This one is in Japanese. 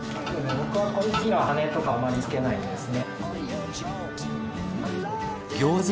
僕は個人的には羽根とかはあまりつけないですね。